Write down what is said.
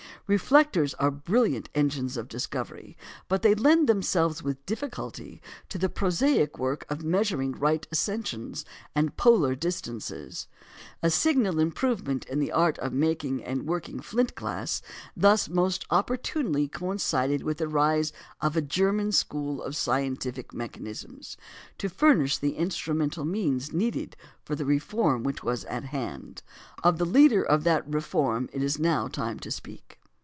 Reflectors are brilliant engines of discovery, but they lend themselves with difficulty to the prosaic work of measuring right ascensions and polar distances. A signal improvement in the art of making and working flint glass thus most opportunely coincided with the rise of a German school of scientific mechanicians, to furnish the instrumental means needed for the reform which was at hand. Of the leader of that reform it is now time to speak.